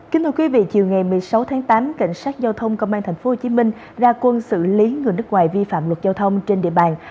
kính thưa quý vị chiều ngày một mươi sáu tháng tám cảnh sát giao thông công an tp hcm ra quân xử lý người nước ngoài vi phạm luật giao thông trên địa bàn